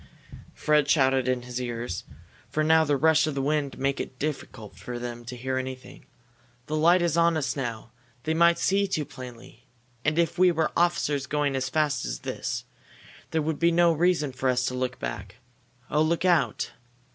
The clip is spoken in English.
Fred shouted in his ear, for now the rush of the wind made it difficult for them to hear anything. "The light is on us now they might see too plainly. And, if we were officers going as fast as this, there would be no reason for us to look back Oh! Look out!"